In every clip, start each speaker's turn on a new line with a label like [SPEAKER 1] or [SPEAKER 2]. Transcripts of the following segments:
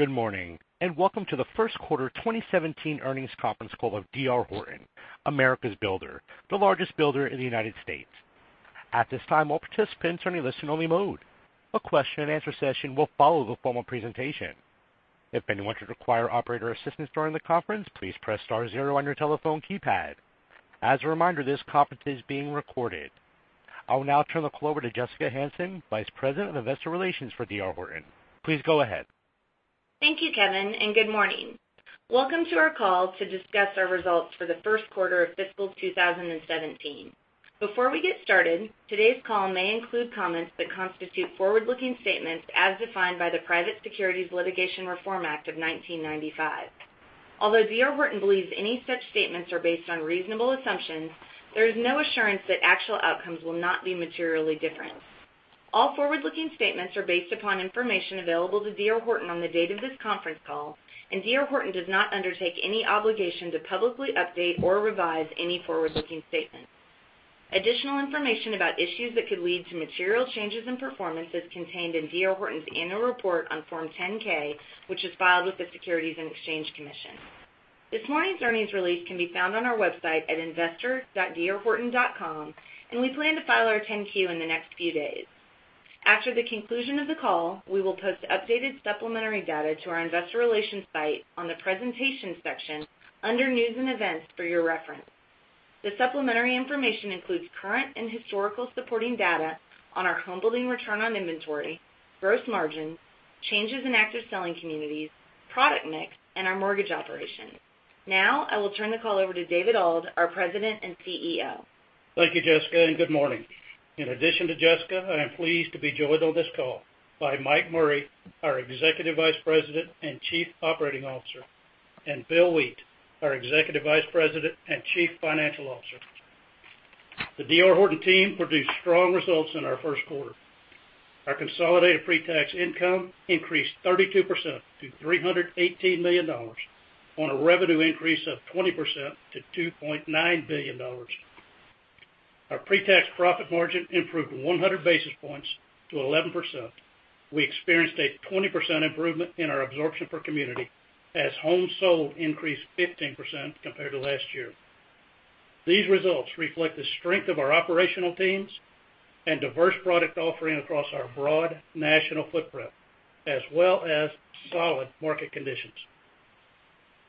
[SPEAKER 1] Good morning, and welcome to the first quarter 2017 earnings conference call of D.R. Horton, America's builder, the largest builder in the United States. At this time, all participants are in listen-only mode. A question-and-answer session will follow the formal presentation. If anyone should require operator assistance during the conference, please press star zero on your telephone keypad. As a reminder, this conference is being recorded. I will now turn the call over to Jessica Hansen, Vice President of Investor Relations for D.R. Horton. Please go ahead.
[SPEAKER 2] Thank you, Kevin, and good morning. Welcome to our call to discuss our results for the first quarter of fiscal 2017. Before we get started, today's call may include comments that constitute forward-looking statements as defined by the Private Securities Litigation Reform Act of 1995. Although D.R. Horton believes any such statements are based on reasonable assumptions, there is no assurance that actual outcomes will not be materially different. All forward-looking statements are based upon information available to D.R. Horton on the date of this conference call, and D.R. Horton does not undertake any obligation to publicly update or revise any forward-looking statements. Additional information about issues that could lead to material changes in performance is contained in D.R. Horton's annual report on Form 10-K, which is filed with the Securities and Exchange Commission. This morning's earnings release can be found on our website at investor.drhorton.com, and we plan to file our 10-Q in the next few days. After the conclusion of the call, we will post updated supplementary data to our investor relations site on the presentations section under news and events for your reference. The supplementary information includes current and historical supporting data on our homebuilding return on inventory, gross margins, changes in active selling communities, product mix, and our mortgage operations. Now, I will turn the call over to David Auld, our President and CEO.
[SPEAKER 3] Thank you, Jessica, and good morning. In addition to Jessica, I am pleased to be joined on this call by Mike Murray, our Executive Vice President and Chief Operating Officer, and Bill Wheat, our Executive Vice President and Chief Financial Officer. The D.R. Horton team produced strong results in our first quarter. Our consolidated pre-tax income increased 32% to $318 million on a revenue increase of 20% to $2.9 billion. Our pre-tax profit margin improved 100 basis points to 11%. We experienced a 20% improvement in our absorption per community as homes sold increased 15% compared to last year. These results reflect the strength of our operational teams and diverse product offering across our broad national footprint, as well as solid market conditions.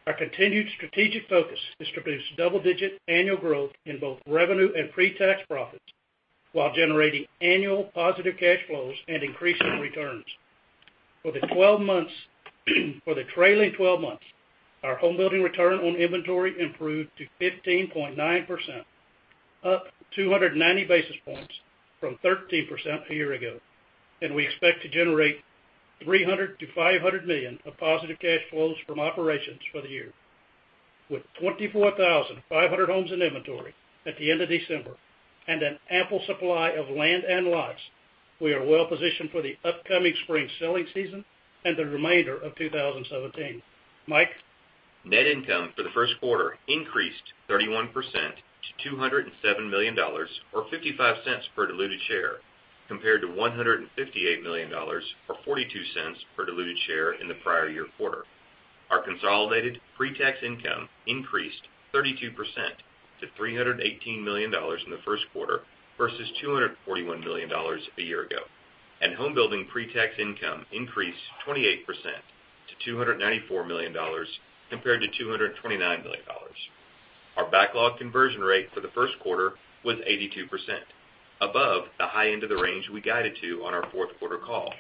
[SPEAKER 3] Our continued strategic focus is to produce double-digit annual growth in both revenue and pre-tax profits while generating annual positive cash flows and increasing returns. For the trailing 12 months, our homebuilding return on inventory improved to 15.9%, up 290 basis points from 13% a year ago. We expect to generate $300 million-$500 million of positive cash flows from operations for the year. With 24,500 homes in inventory at the end of December and an ample supply of land and lots, we are well positioned for the upcoming spring selling season and the remainder of 2017. Mike?
[SPEAKER 4] Net income for the first quarter increased 31% to $207 million, or $0.55 per diluted share, compared to $158 million or $0.42 per diluted share in the prior year quarter. Our consolidated pre-tax income increased 32% to $318 million in the first quarter versus $241 million a year ago. Homebuilding pre-tax income increased 28% to $294 million compared to $229 million. Our backlog conversion rate for the first quarter was 82%, above the high end of the range we guided to on our fourth-quarter call.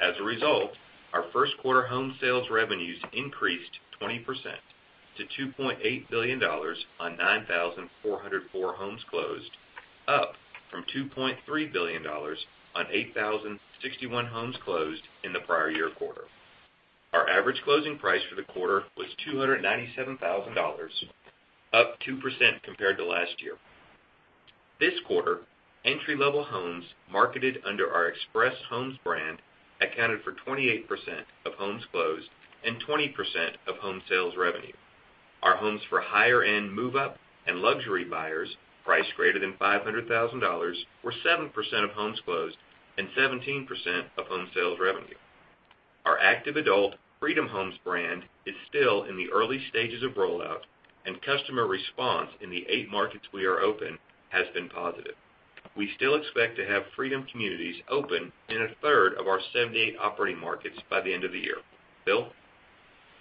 [SPEAKER 4] As a result, our first quarter home sales revenues increased 20% to $2.8 billion on 9,404 homes closed, up from $2.3 billion on 8,061 homes closed in the prior year quarter. Our average closing price for the quarter was $297,000, up 2% compared to last year. This quarter, entry-level homes marketed under our Express Homes brand accounted for 28% of homes closed and 20% of home sales revenue. Our homes for higher-end move-up and luxury buyers priced greater than $500,000 were 7% of homes closed and 17% of home sales revenue. Our active adult Freedom Homes brand is still in the early stages of rollout. Customer response in the eight markets we are open has been positive. We still expect to have Freedom Communities open in a third of our 78 operating markets by the end of the year. Bill?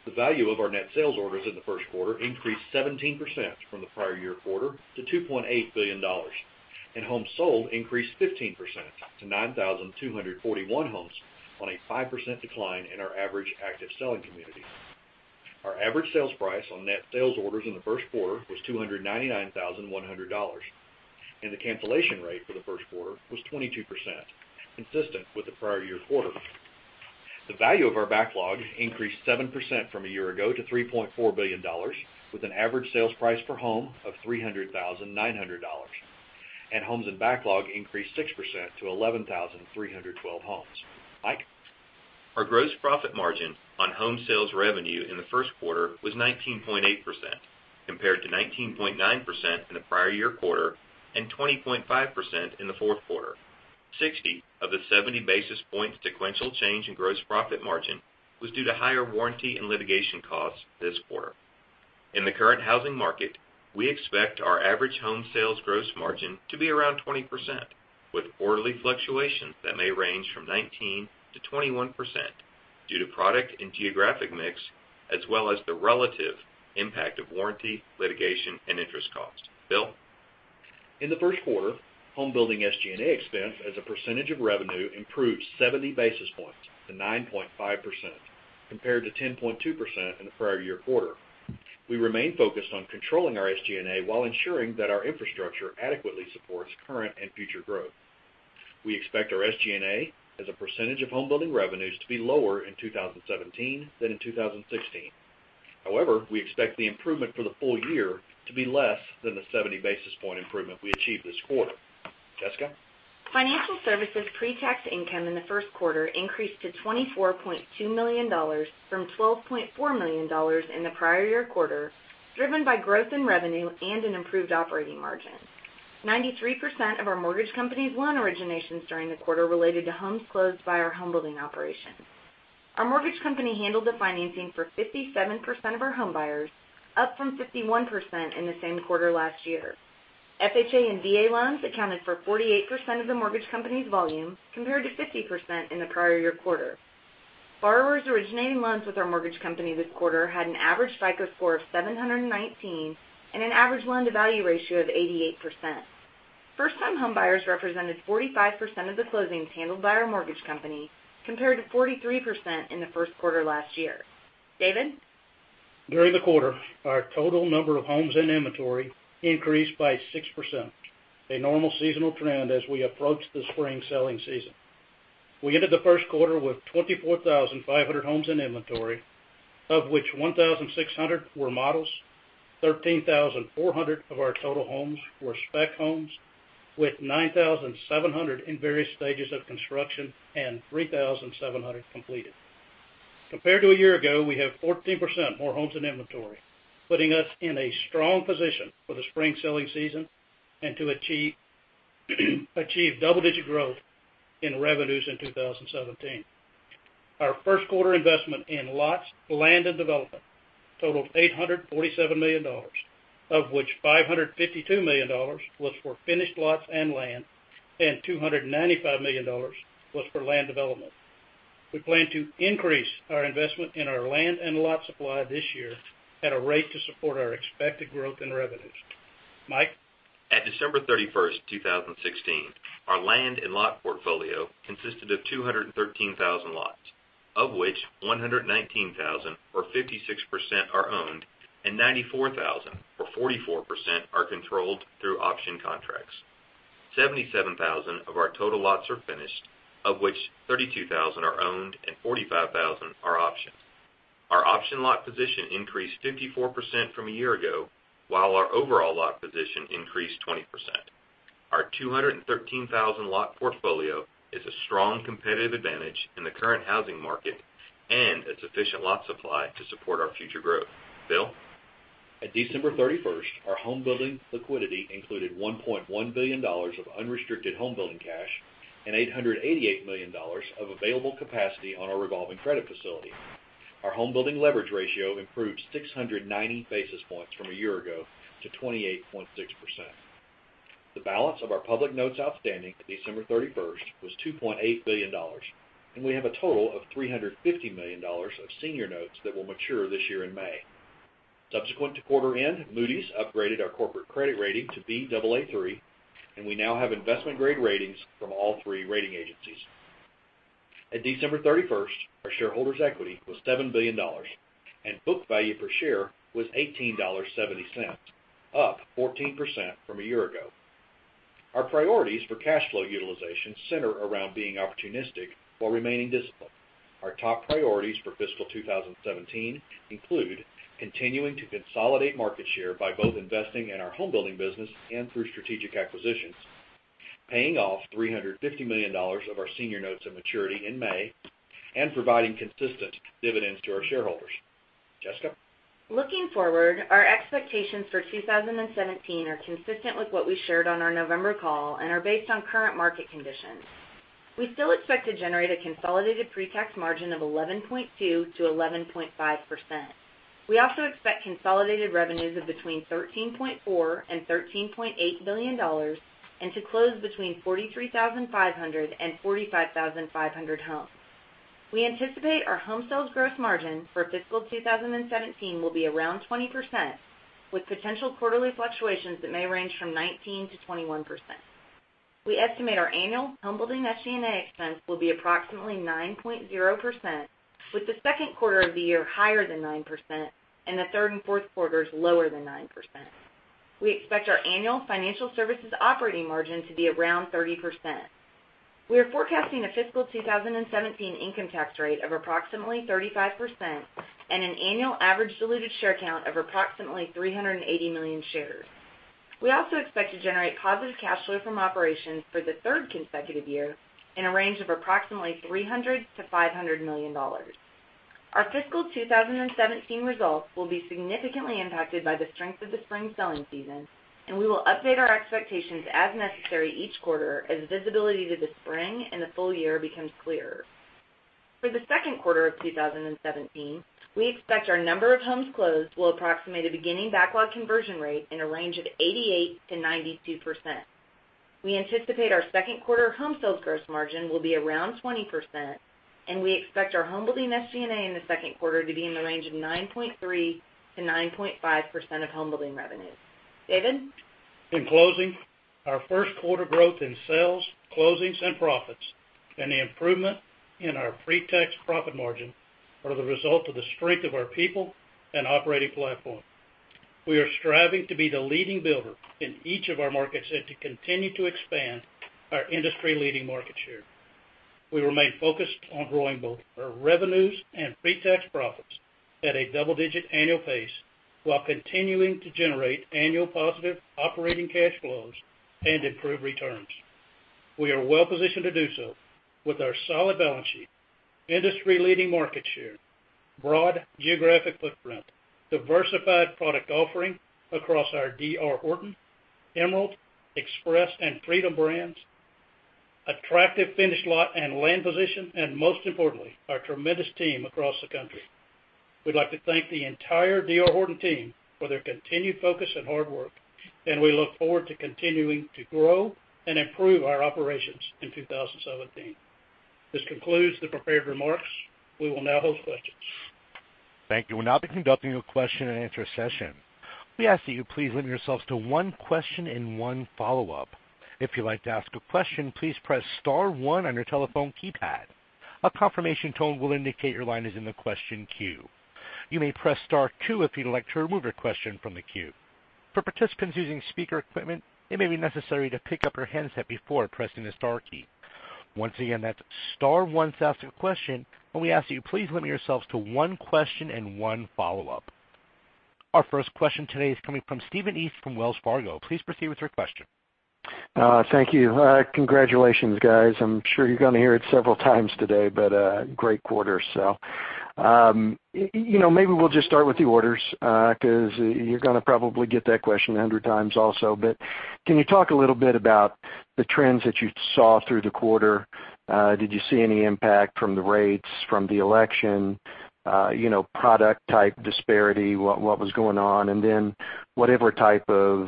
[SPEAKER 5] The value of our net sales orders in the first quarter increased 17% from the prior year quarter to $2.8 billion. Homes sold increased 15% to 9,241 homes on a 5% decline in our average active selling communities. Our average sales price on net sales orders in the first quarter was $299,100. The cancellation rate for the first quarter was 22%, consistent with the prior year's quarter. The value of our backlog increased 7% from a year ago to $3.4 billion, with an average sales price per home of $300,900. Homes in backlog increased 6% to 11,312 homes. Mike?
[SPEAKER 4] Our gross profit margin on home sales revenue in the first quarter was 19.8%, compared to 19.9% in the prior year quarter and 20.5% in the fourth quarter. 60 of the 70 basis point sequential change in gross profit margin was due to higher warranty and litigation costs this quarter. In the current housing market, we expect our average home sales gross margin to be around 20%, with quarterly fluctuations that may range from 19%-21% due to product and geographic mix, as well as the relative impact of warranty, litigation, and interest costs. Bill?
[SPEAKER 5] In the first quarter, homebuilding SG&A expense as a percentage of revenue improved 70 basis points to 9.5%, compared to 10.2% in the prior year quarter. We remain focused on controlling our SG&A while ensuring that our infrastructure adequately supports current and future growth. We expect our SG&A as a percentage of homebuilding revenues to be lower in 2017 than in 2016. We expect the improvement for the full year to be less than the 70 basis point improvement we achieved this quarter. Jessica?
[SPEAKER 2] Financial services pre-tax income in the first quarter increased to $24.2 million from $12.4 million in the prior year quarter, driven by growth in revenue and an improved operating margin. 93% of our mortgage company's loan originations during the quarter related to homes closed by our homebuilding operation. Our mortgage company handled the financing for 57% of our home buyers, up from 51% in the same quarter last year. FHA and VA loans accounted for 48% of the mortgage company's volume, compared to 50% in the prior year quarter. Borrowers originating loans with our mortgage company this quarter had an average FICO score of 719 and an average loan-to-value ratio of 88%. First-time homebuyers represented 45% of the closings handled by our mortgage company, compared to 43% in the first quarter last year. David?
[SPEAKER 3] During the quarter, our total number of homes in inventory increased by 6%, a normal seasonal trend as we approach the spring selling season. We ended the first quarter with 24,500 homes in inventory, of which 1,600 were models, 13,400 of our total homes were spec homes, with 9,700 in various stages of construction and 3,700 completed. Compared to a year ago, we have 14% more homes in inventory, putting us in a strong position for the spring selling season and to achieve double-digit growth in revenues in 2017. Our first quarter investment in lots, land, and development totaled $847 million, of which $552 million was for finished lots and land, and $295 million was for land development. We plan to increase our investment in our land and lot supply this year at a rate to support our expected growth in revenues. Mike?
[SPEAKER 4] At December 31st, 2016, our land and lot portfolio consisted of 213,000 lots, of which 119,000 or 56% are owned and 94,000 or 44% are controlled through option contracts. 77,000 of our total lots are finished, of which 32,000 are owned and 45,000 are options. Our option lot position increased 54% from a year ago, while our overall lot position increased 20%. Our 213,000-lot portfolio is a strong competitive advantage in the current housing market and a sufficient lot supply to support our future growth. Bill?
[SPEAKER 5] At December 31st, our homebuilding liquidity included $1.1 billion of unrestricted homebuilding cash and $888 million of available capacity on our revolving credit facility. Our homebuilding leverage ratio improved 690 basis points from a year ago to 28.6%. The balance of our public notes outstanding at December 31st was $2.8 billion, and we have a total of $350 million of senior notes that will mature this year in May. Subsequent to quarter end, Moody's upgraded our corporate credit rating to Baa3, and we now have investment-grade ratings from all three rating agencies. At December 31st, our shareholders' equity was $7 billion, and book value per share was $18.70, up 14% from a year ago. Our priorities for cash flow utilization center around being opportunistic while remaining disciplined. Our top priorities for fiscal 2017 include continuing to consolidate market share by both investing in our homebuilding business and through strategic acquisitions, paying off $350 million of our senior notes at maturity in May, and providing consistent dividends to our shareholders. Jessica?
[SPEAKER 2] Looking forward, our expectations for 2017 are consistent with what we shared on our November call and are based on current market conditions. We still expect to generate a consolidated pre-tax margin of 11.2%-11.5%. We also expect consolidated revenues of between $13.4 billion and $13.8 billion and to close between 43,500 and 45,500 homes. We anticipate our home sales gross margin for fiscal 2017 will be around 20%, with potential quarterly fluctuations that may range from 19%-21%. We estimate our annual homebuilding SG&A expense will be approximately 9.0%, with the second quarter of the year higher than 9% and the third and fourth quarters lower than 9%. We expect our annual financial services operating margin to be around 30%. We are forecasting a fiscal 2017 income tax rate of approximately 35% and an annual average diluted share count of approximately 380 million shares. We also expect to generate positive cash flow from operations for the third consecutive year in a range of approximately $300 million-$500 million. Our fiscal 2017 results will be significantly impacted by the strength of the spring selling season, and we will update our expectations as necessary each quarter as visibility to the spring and the full year becomes clearer. For the second quarter of 2017, we expect our number of homes closed will approximate a beginning backlog conversion rate in a range of 88%-92%. We anticipate our second quarter home sales gross margin will be around 20%, and we expect our homebuilding SG&A in the second quarter to be in the range of 9.3%-9.5% of homebuilding revenue. David?
[SPEAKER 3] In closing, our first quarter growth in sales, closings, and profits, and the improvement in our pre-tax profit margin are the result of the strength of our people and operating platform. We are striving to be the leading builder in each of our markets and to continue to expand our industry-leading market share. We remain focused on growing both our revenues and pre-tax profits at a double-digit annual pace while continuing to generate annual positive operating cash flows and improve returns. We are well-positioned to do so with our solid balance sheet, industry-leading market share, broad geographic footprint, diversified product offering across our D.R. Horton, Emerald, Express, and Freedom brands, attractive finished lot and land position, and most importantly, our tremendous team across the country. We'd like to thank the entire D.R. Horton. Horton team for their continued focus and hard work. We look forward to continuing to grow and improve our operations in 2017. This concludes the prepared remarks. We will now hold questions.
[SPEAKER 1] Thank you. We'll now be conducting a question-and-answer session. We ask that you please limit yourselves to one question and one follow-up. If you'd like to ask a question, please press star one on your telephone keypad. A confirmation tone will indicate your line is in the question queue. You may press star two if you'd like to remove your question from the queue. For participants using speaker equipment, it may be necessary to pick up your handset before pressing the star key. Once again, that's star one to ask a question, and we ask that you please limit yourselves to one question and one follow-up. Our first question today is coming from Stephen East from Wells Fargo. Please proceed with your question.
[SPEAKER 6] Thank you. Congratulations, guys. I'm sure you're going to hear it several times today, great quarter. Maybe we'll just start with the orders, because you're going to probably get that question 100 times also, can you talk a little bit about the trends that you saw through the quarter? Did you see any impact from the rates, from the election, product type disparity, what was going on? Whatever type of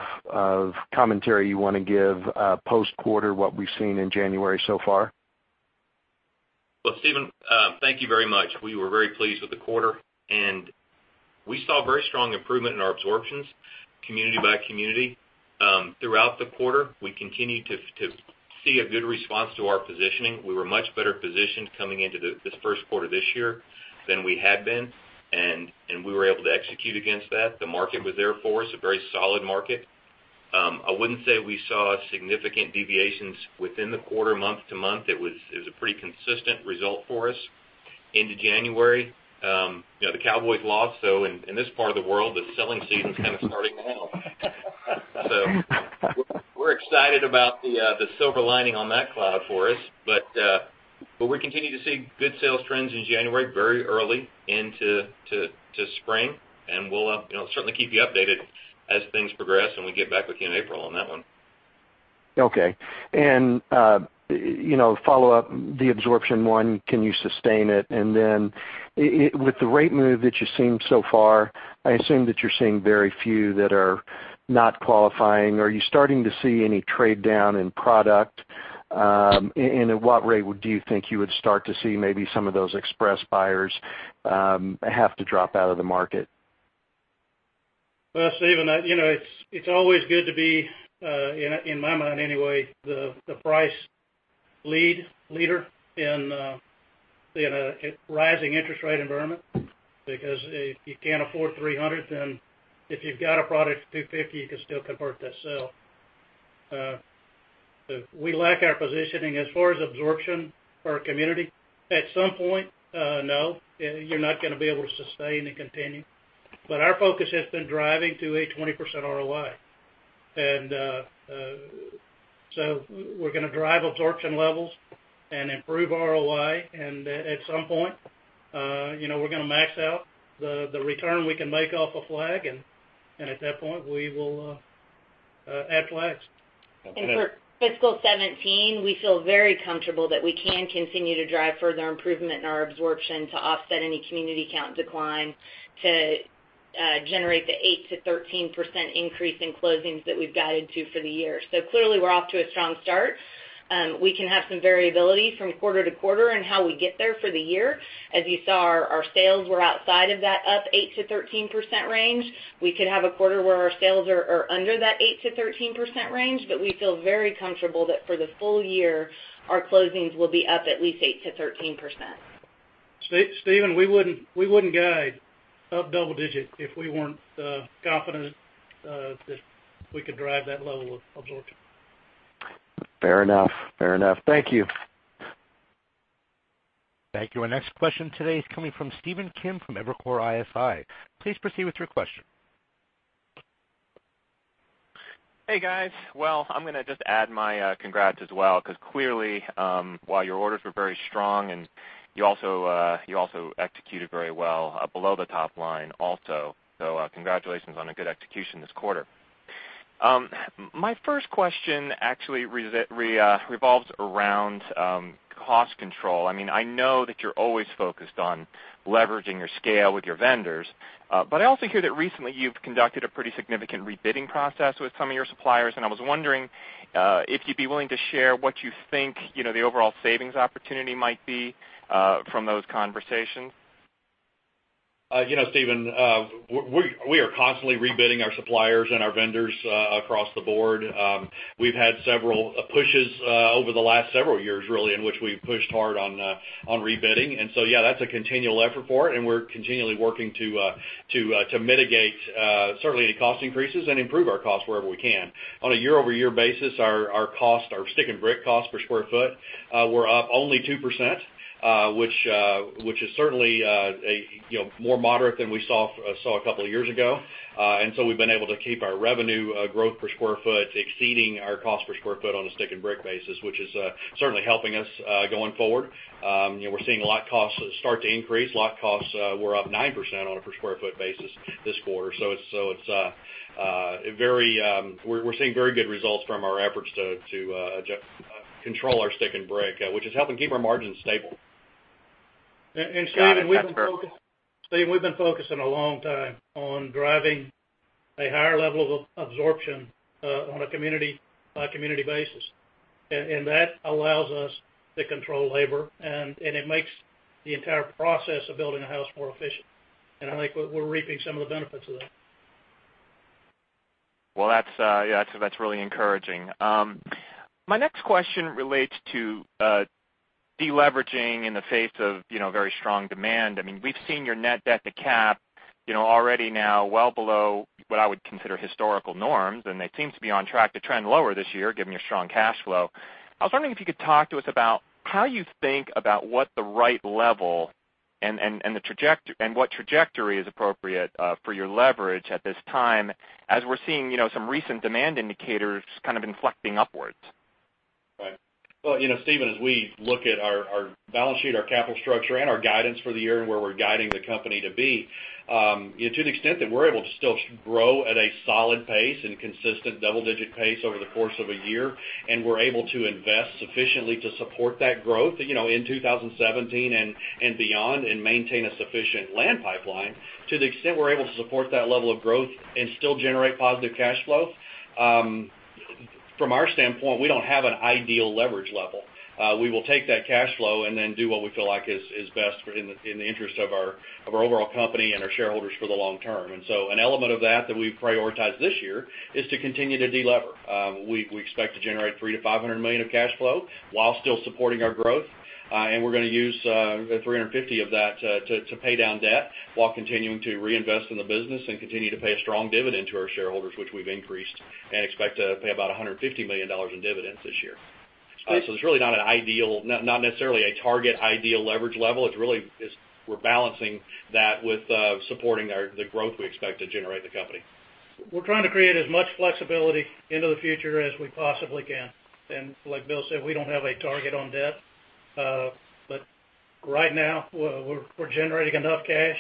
[SPEAKER 6] commentary you want to give post-quarter, what we've seen in January so far.
[SPEAKER 4] Well, Stephen, thank you very much. We were very pleased with the quarter, we saw very strong improvement in our absorptions community by community. Throughout the quarter, we continued to see a good response to our positioning. We were much better positioned coming into this first quarter this year than we had been, we were able to execute against that. The market was there for us, a very solid market. I wouldn't say we saw significant deviations within the quarter month to month. It was a pretty consistent result for us into January. The Dallas Cowboys lost, in this part of the world, the selling season's kind of starting now. We're excited about the silver lining on that cloud for us. We continue to see good sales trends in January, very early into spring, we'll certainly keep you updated as things progress, we get back with you in April on that one.
[SPEAKER 6] Okay. Follow-up, the absorption one, can you sustain it? With the rate move that you've seen so far, I assume that you're seeing very few that are not qualifying. Are you starting to see any trade down in product? At what rate do you think you would start to see maybe some of those Express buyers have to drop out of the market?
[SPEAKER 3] Stephen, it's always good to be, in my mind anyway, the price leader in a rising interest rate environment, because if you can't afford $300, then if you've got a product at $250, you can still convert that sale. We like our positioning as far as absorption per community. At some point, no, you're not going to be able to sustain and continue. Our focus has been driving to a 20% ROI. We're going to drive absorption levels and improve ROI, and at some point, we're going to max out the return we can make off a flag, and at that point, we will add flags.
[SPEAKER 2] For fiscal 2017, we feel very comfortable that we can continue to drive further improvement in our absorption to offset any community count decline to generate the 8%-13% increase in closings that we've guided to for the year. Clearly, we're off to a strong start. We can have some variability from quarter to quarter in how we get there for the year. As you saw, our sales were outside of that up 8%-13% range. We could have a quarter where our sales are under that 8%-13% range, we feel very comfortable that for the full year, our closings will be up at least 8%-13%.
[SPEAKER 3] Stephen, we wouldn't guide up double-digit if we weren't confident that we could drive that level of absorption.
[SPEAKER 6] Fair enough. Thank you.
[SPEAKER 1] Thank you. Our next question today is coming from Stephen Kim from Evercore ISI. Please proceed with your question.
[SPEAKER 7] Well, I'm going to just add my congrats as well, because clearly, while your orders were very strong, and you also executed very well below the top line also. Congratulations on a good execution this quarter. My first question actually revolves around cost control. I know that you're always focused on leveraging your scale with your vendors. I also hear that recently you've conducted a pretty significant rebidding process with some of your suppliers, and I was wondering if you'd be willing to share what you think the overall savings opportunity might be from those conversations.
[SPEAKER 5] Stephen, we are constantly rebidding our suppliers and our vendors across the board. We've had several pushes over the last several years, really, in which we've pushed hard on rebidding. Yeah, that's a continual effort for it, and we're continually working to mitigate certainly any cost increases and improve our costs wherever we can. On a year-over-year basis, our stick and brick costs per square foot were up only 2%, which is certainly more moderate than we saw a couple of years ago. We've been able to keep our revenue growth per square foot exceeding our cost per square foot on a stick and brick basis, which is certainly helping us going forward. We're seeing lot costs start to increase. Lot costs were up 9% on a per square foot basis this quarter. We're seeing very good results from our efforts to control our stick and brick, which is helping keep our margins stable.
[SPEAKER 7] Got it. That's fair.
[SPEAKER 3] Stephen, we've been focusing a long time on driving a higher level of absorption on a community-by-community basis. That allows us to control labor, and it makes the entire process of building a house more efficient. I think we're reaping some of the benefits of that.
[SPEAKER 7] Well, that's really encouraging. My next question relates to de-leveraging in the face of very strong demand. We've seen your net debt to cap already now well below what I would consider historical norms, and they seem to be on track to trend lower this year, given your strong cash flow. I was wondering if you could talk to us about how you think about what the right level and what trajectory is appropriate for your leverage at this time, as we're seeing some recent demand indicators kind of inflecting upwards.
[SPEAKER 5] Right. Well, Stephen, as we look at our balance sheet, our capital structure, and our guidance for the year and where we're guiding the company to be, to the extent that we're able to still grow at a solid pace and consistent double-digit pace over the course of a year, and we're able to invest sufficiently to support that growth in 2017 and beyond, and maintain a sufficient land pipeline, to the extent we're able to support that level of growth and still generate positive cash flow, from our standpoint, we don't have an ideal leverage level. We will take that cash flow and then do what we feel like is best in the interest of our overall company and our shareholders for the long term. An element of that that we've prioritized this year is to continue to de-lever. We expect to generate $300 million-$500 million of cash flow while still supporting our growth. We're going to use $350 of that to pay down debt while continuing to reinvest in the business and continue to pay a strong dividend to our shareholders, which we've increased, and expect to pay about $150 million in dividends this year. It's really not necessarily a target ideal leverage level. We're balancing that with supporting the growth we expect to generate in the company.
[SPEAKER 3] We're trying to create as much flexibility into the future as we possibly can. Like Bill said, we don't have a target on debt. Right now, we're generating enough cash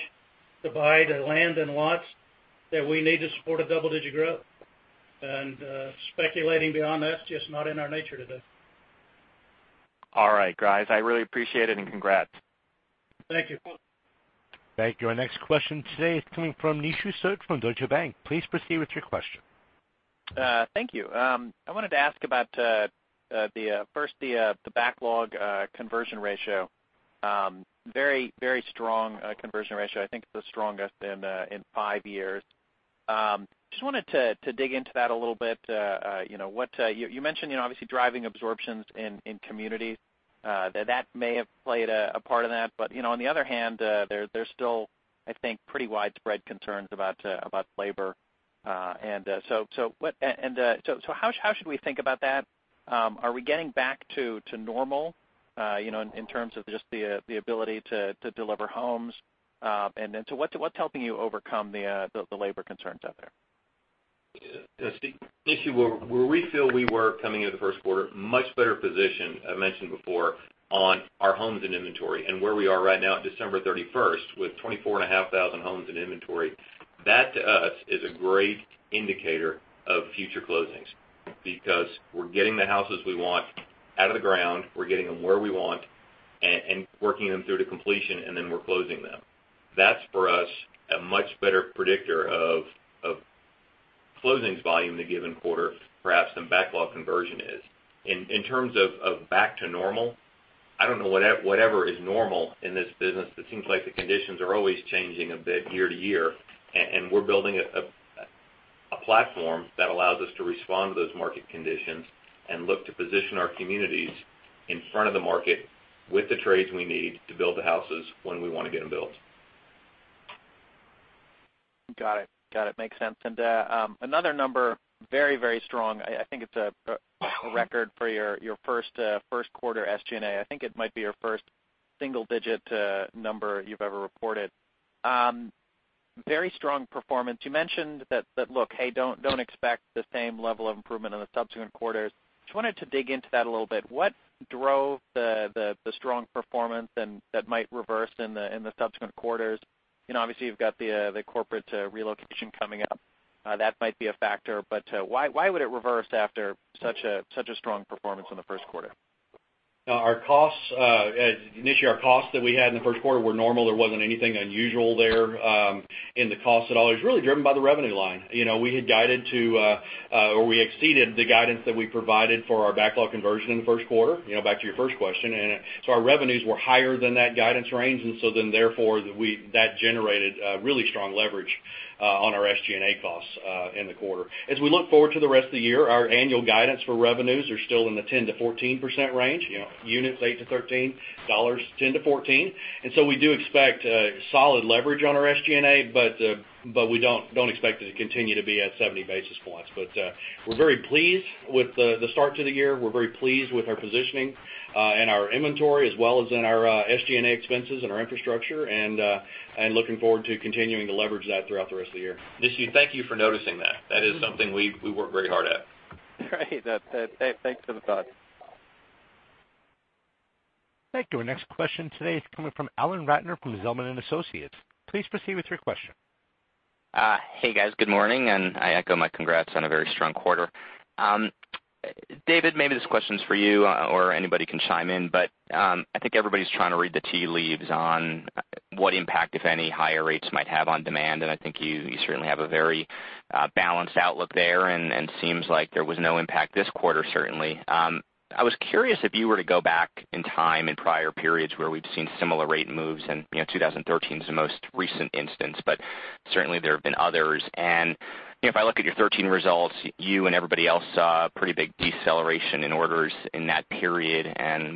[SPEAKER 3] to buy the land and lots that we need to support a double-digit growth. Speculating beyond that, it's just not in our nature to do.
[SPEAKER 7] All right, guys. I really appreciate it, and congrats.
[SPEAKER 3] Thank you.
[SPEAKER 5] Thank you.
[SPEAKER 1] Thank you. Our next question today is coming from Nishu Sood from Deutsche Bank. Please proceed with your question.
[SPEAKER 8] Thank you. I wanted to ask about first the backlog conversion ratio. Very strong conversion ratio. I think the strongest in five years. Just wanted to dig into that a little bit. You mentioned, obviously, driving absorptions in communities. That may have played a part in that. On the other hand, there's still, I think, pretty widespread concerns about labor. How should we think about that? Are we getting back to normal in terms of just the ability to deliver homes? What's helping you overcome the labor concerns out there?
[SPEAKER 5] Nishu, where we feel we were coming into the first quarter, much better position, I mentioned before, on our homes and inventory, and where we are right now at December 31st with 24,500 homes in inventory. That, to us, is a great indicator of future closings because we're getting the houses we want out of the ground, we're getting them where we want, and working them through to completion, and then we're closing them. That's, for us, a much better predictor of closings volume in a given quarter, perhaps, than backlog conversion is. In terms of back to normal, I don't know whatever is normal in this business. It seems like the conditions are always changing a bit year to year, we're building a platform that allows us to respond to those market conditions and look to position our communities in front of the market with the trades we need to build the houses when we want to get them built.
[SPEAKER 8] Got it. Makes sense. Another number, very, very strong. I think it's a record for your first quarter SG&A. I think it might be your first single-digit number you've ever reported. Very strong performance. You mentioned that, "Look, hey, don't expect the same level of improvement in the subsequent quarters." Just wanted to dig into that a little bit. What drove the strong performance that might reverse in the subsequent quarters? Obviously, you've got the corporate relocation coming up. That might be a factor, why would it reverse after such a strong performance in the first quarter?
[SPEAKER 4] Initially, our costs that we had in the first quarter were normal. There wasn't anything unusual there in the costs at all. It was really driven by the revenue line. We exceeded the guidance that we provided for our backlog conversion in the first quarter, back to your first question. Therefore, that generated a really strong leverage on our SG&A costs in the quarter. As we look forward to the rest of the year, our annual guidance for revenues are still in the 10%-14% range. Units, 8%-13%, dollars, 10%-14%. We do expect solid leverage on our SG&A, we don't expect it to continue to be at 70 basis points. We're very pleased with the start to the year. We're very pleased with our positioning and our inventory, as well as in our SG&A expenses and our infrastructure, looking forward to continuing to leverage that throughout the rest of the year. Nishu, thank you for noticing that. That is something we work very hard at.
[SPEAKER 8] Right. Thanks for the thought.
[SPEAKER 1] Thank you. Our next question today is coming from Alan Ratner from Zelman & Associates. Please proceed with your question.
[SPEAKER 9] Hey, guys. Good morning. I echo my congrats on a very strong quarter. David, maybe this question's for you, or anybody can chime in. I think everybody's trying to read the tea leaves on what impact, if any, higher rates might have on demand. I think you certainly have a very balanced outlook there. Seems like there was no impact this quarter, certainly. I was curious if you were to go back in time in prior periods where we've seen similar rate moves. 2013's the most recent instance, certainly there have been others. If I look at your 2013 results, you and everybody else saw a pretty big deceleration in orders in that period.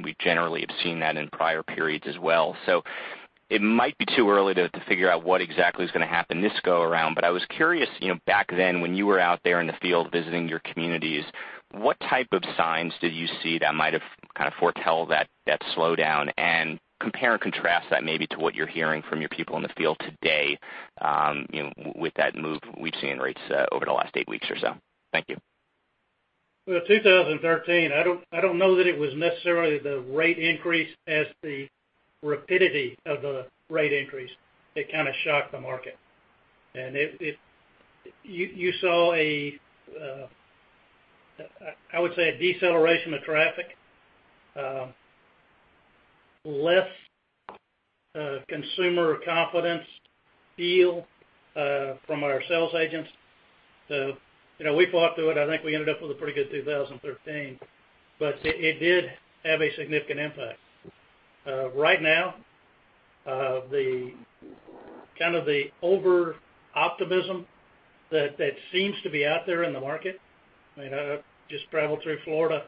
[SPEAKER 9] We generally have seen that in prior periods as well. It might be too early to figure out what exactly is going to happen this go around. I was curious, back then, when you were out there in the field visiting your communities, what type of signs did you see that might have foretold that slowdown? Compare and contrast that maybe to what you're hearing from your people in the field today with that move we've seen rates over the last eight weeks or so. Thank you.
[SPEAKER 3] 2013, I don't know that it was necessarily the rate increase as the rapidity of the rate increase that kind of shocked the market. You saw, I would say, a deceleration of traffic, less consumer confidence feel from our sales agents. We fought through it. I think we ended up with a pretty good 2013, but it did have a significant impact. Right now, the over-optimism that seems to be out there in the market. I just traveled through Florida,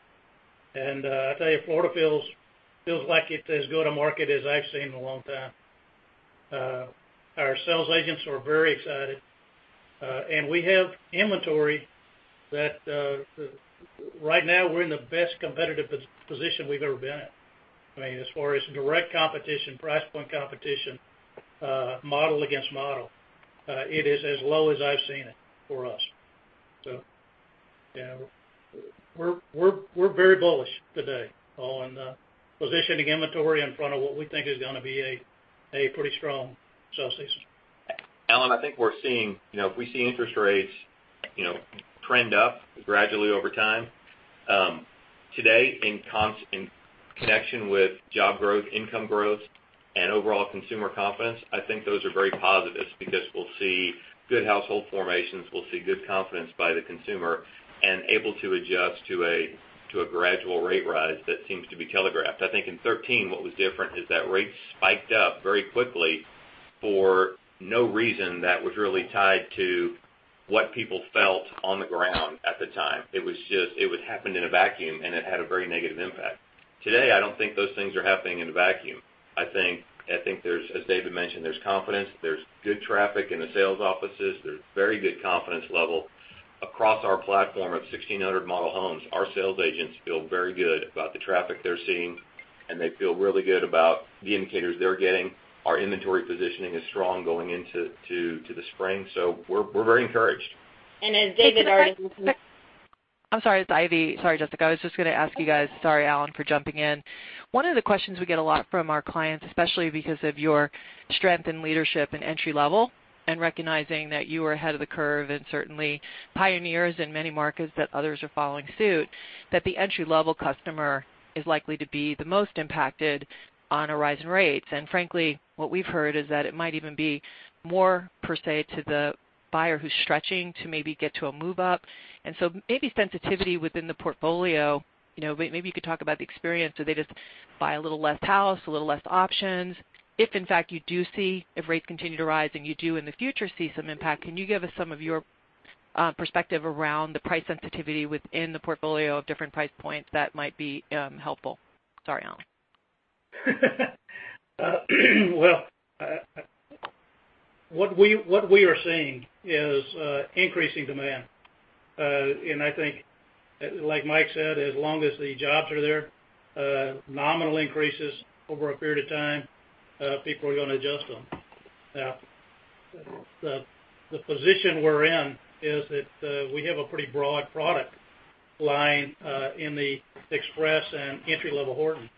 [SPEAKER 3] and I tell you, Florida feels like it's as good a market as I've seen in a long time. Our sales agents are very excited. We have inventory that right now, we're in the best competitive position we've ever been in. As far as direct competition, price point competition, model against model, it is as low as I've seen it for us. We're very bullish today on positioning inventory in front of what we think is going to be a pretty strong sales season.
[SPEAKER 4] Alan, I think if we see interest rates trend up gradually over time, today, in connection with job growth, income growth, and overall consumer confidence, I think those are very positive because we'll see good household formations, we'll see good confidence by the consumer, and able to adjust to a gradual rate rise that seems to be telegraphed. I think in 2013, what was different is that rates spiked up very quickly for no reason that was really tied to what people felt on the ground at the time. It happened in a vacuum, and it had a very negative impact. Today, I don't think those things are happening in a vacuum. I think, as David mentioned, there's confidence, there's good traffic in the sales offices, there's very good confidence level across our platform of 1,600 model homes. Our sales agents feel very good about the traffic they're seeing, and they feel really good about the indicators they're getting. Our inventory positioning is strong going into the spring. We're very encouraged.
[SPEAKER 2] as David already.
[SPEAKER 10] I'm sorry, it's Ivy. Sorry, Jessica. I was just going to ask you guys, sorry, Alan, for jumping in. One of the questions we get a lot from our clients, especially because of your strength in leadership in entry level, and recognizing that you are ahead of the curve and certainly pioneers in many markets that others are following suit, that the entry-level customer is likely to be the most impacted on a rise in rates. Frankly, what we've heard is that it might even be more per se to the buyer who's stretching to maybe get to a move up. Maybe sensitivity within the portfolio, maybe you could talk about the experience. Do they just buy a little less house, a little less options? If rates continue to rise, and you do in the future see some impact, can you give us some of your perspective around the price sensitivity within the portfolio of different price points? That might be helpful. Sorry, Alan.
[SPEAKER 3] Well, what we are seeing is increasing demand. I think, like Mike said, as long as the jobs are there, nominal increases over a period of time, people are going to adjust them. Now, the position we're in is that we have a pretty broad product line in the Express and entry-level Horton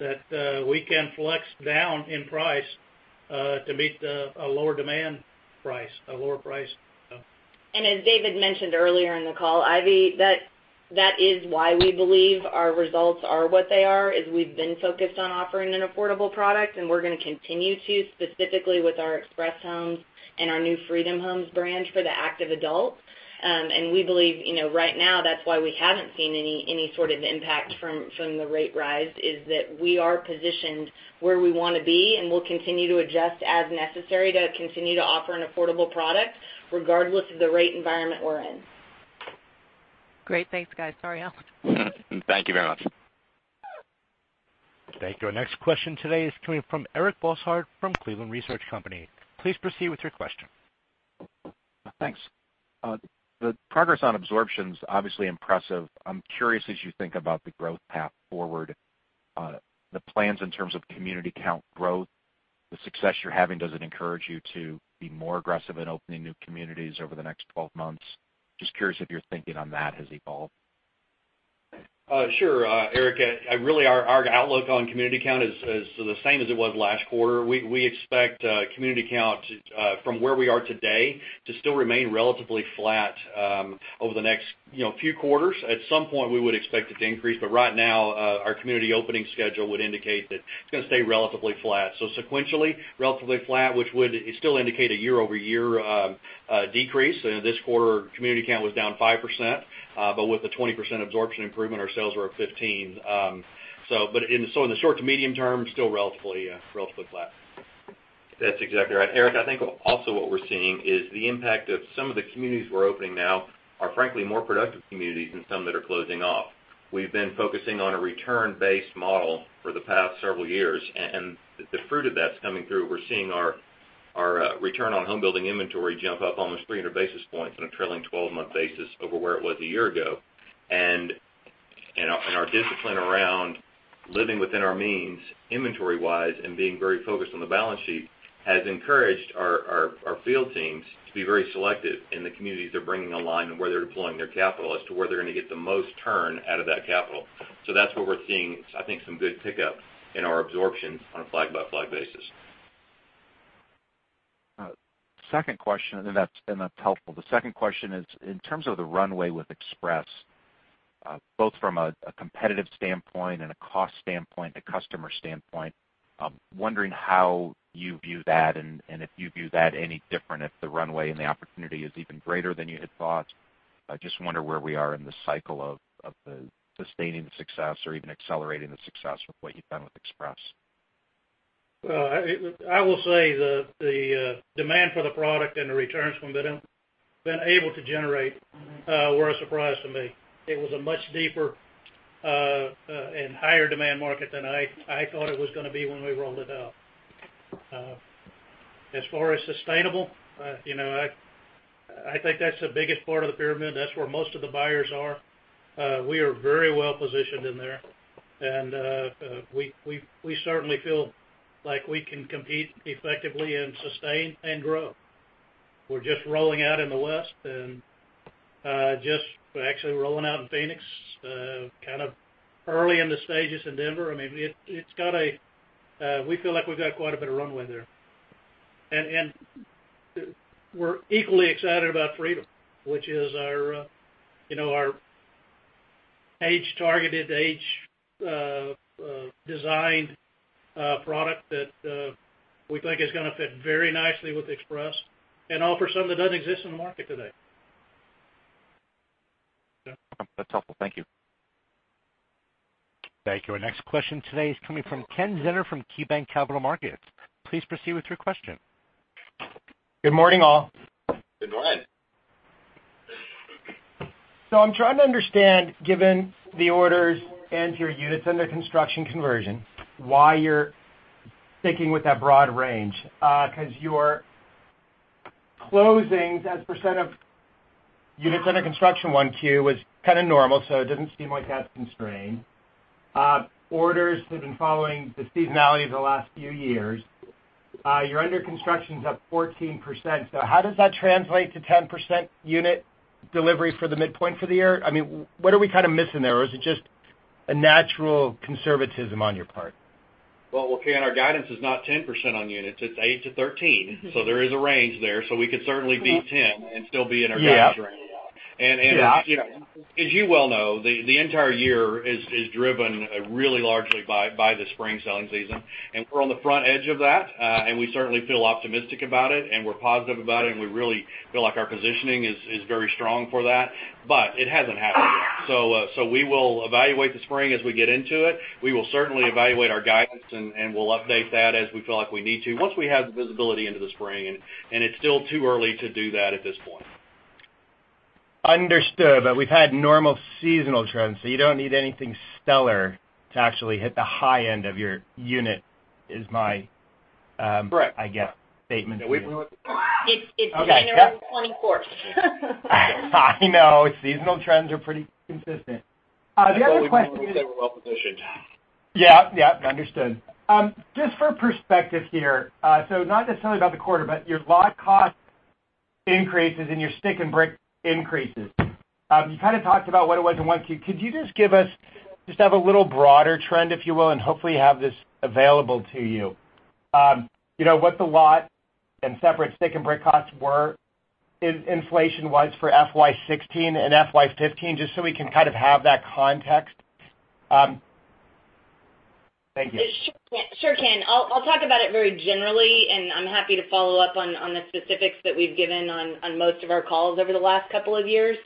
[SPEAKER 3] that we can flex down in price to meet a lower demand price, a lower price.
[SPEAKER 2] As David mentioned earlier in the call, Ivy, that is why we believe our results are what they are, is we've been focused on offering an affordable product, and we're going to continue to, specifically with our Express Homes and our new Freedom Homes brand for the active adult. We believe, right now, that's why we haven't seen any sort of impact from the rate rise, is that we are positioned where we want to be, and we'll continue to adjust as necessary to continue to offer an affordable product regardless of the rate environment we're in.
[SPEAKER 10] Great. Thanks, guys. Sorry, Alan.
[SPEAKER 9] Thank you very much.
[SPEAKER 1] Thank you. Our next question today is coming from Eric Bosshard from Cleveland Research Company. Please proceed with your question.
[SPEAKER 11] Thanks. The progress on absorption's obviously impressive. I'm curious as you think about the growth path forward, the plans in terms of community count growth, the success you're having, does it encourage you to be more aggressive in opening new communities over the next 12 months? Just curious if your thinking on that has evolved.
[SPEAKER 5] Sure. Eric, really our outlook on community count is the same as it was last quarter. We expect community count, from where we are today, to still remain relatively flat over the next few quarters. At some point, we would expect it to increase, but right now, our community opening schedule would indicate that it's going to stay relatively flat. Sequentially, relatively flat, which would still indicate a year-over-year decrease. This quarter, community count was down 5%, but with the 20% absorption improvement, our sales were up 15%. In the short to medium term, still relatively flat.
[SPEAKER 4] That's exactly right. Eric, I think also what we're seeing is the impact of some of the communities we're opening now are frankly more productive communities than some that are closing off. We've been focusing on a return-based model for the past several years, and the fruit of that's coming through. We're seeing our return on homebuilding inventory jump up almost 300 basis points on a trailing 12-month basis over where it was a year ago. Our discipline around living within our means inventory-wise and being very focused on the balance sheet has encouraged our field teams to be very selective in the communities they're bringing online and where they're deploying their capital as to where they're going to get the most return out of that capital. That's where we're seeing, I think, some good pickup in our absorption on a flag-by-flag basis.
[SPEAKER 11] Second question. That's helpful. The second question is, in terms of the runway with Express, both from a competitive standpoint and a cost standpoint, a customer standpoint, I'm wondering how you view that and if you view that any different if the runway and the opportunity is even greater than you had thought. I just wonder where we are in the cycle of sustaining the success or even accelerating the success with what you've done with Express.
[SPEAKER 3] I will say the demand for the product and the returns from that have been able to generate were a surprise to me. It was a much deeper and higher demand market than I thought it was going to be when we rolled it out. As far as sustainable, I think that's the biggest part of the pyramid. That's where most of the buyers are. We are very well-positioned in there. We certainly feel like we can compete effectively and sustain and grow. We're just rolling out in the West and just actually rolling out in Phoenix, kind of early in the stages in Denver. We feel like we've got quite a bit of runway there. We're equally excited about Freedom, which is our age-targeted, age-designed product that we think is going to fit very nicely with Express and offer something that doesn't exist in the market today.
[SPEAKER 11] That's helpful. Thank you.
[SPEAKER 1] Thank you. Our next question today is coming from Ken Zener from KeyBanc Capital Markets. Please proceed with your question.
[SPEAKER 12] Good morning, all.
[SPEAKER 5] Good morning.
[SPEAKER 12] I'm trying to understand, given the orders and your units under construction conversion, why you're sticking with that broad range. Your closings as % of units under construction 1Q was kind of normal, it doesn't seem like that's constrained. Orders have been following the seasonality of the last few years. Your under construction's up 14%, how does that translate to 10% unit delivery for the midpoint for the year? What are we kind of missing there, or is it just a natural conservatism on your part?
[SPEAKER 5] Ken, our guidance is not 10% on units, it's 8%-13%. There is a range there. We could certainly beat 10% and still be in our guidance range.
[SPEAKER 12] Yeah.
[SPEAKER 5] As you well know, the entire year is driven really largely by the spring selling season. We're on the front edge of that. We certainly feel optimistic about it. We're positive about it. We really feel like our positioning is very strong for that. It hasn't happened yet. We will evaluate the spring as we get into it. We will certainly evaluate our guidance. We'll update that as we feel like we need to once we have the visibility into the spring. It's still too early to do that at this point.
[SPEAKER 12] Understood. We've had normal seasonal trends, you don't need anything stellar to actually hit the high end of your unit.
[SPEAKER 3] Correct
[SPEAKER 12] statement.
[SPEAKER 3] We've-
[SPEAKER 2] It's January 24th.
[SPEAKER 12] I know. Seasonal trends are pretty consistent. The other question is.
[SPEAKER 3] We said we're well-positioned.
[SPEAKER 12] Yeah. Understood. Just for perspective here, not necessarily about the quarter, but your lot cost increases and your stick and brick increases. You kind of talked about what it was in 1Q. Could you just give us, just to have a little broader trend, if you will, and hopefully you have this available to you. What the lot and separate stick and brick costs were inflation-wise for FY 2016 and FY 2015, just so we can kind of have that context. Thank you.
[SPEAKER 2] Sure can. I'll talk about it very generally, and I'm happy to follow up on the specifics that we've given on most of our calls over the last couple of years.